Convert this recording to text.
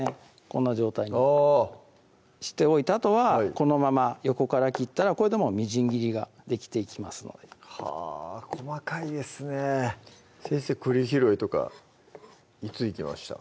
こんな状態にしておいてあとはこのまま横から切ったらこれでもうみじん切りができていきますのではぁ細かいですね先生栗拾いとかいつ行きました？